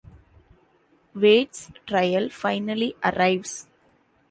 Wade's trial finally arrives.